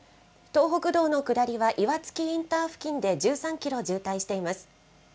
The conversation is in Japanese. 東北道の下りは、岩槻インター付近で１３キロ渋滞しています。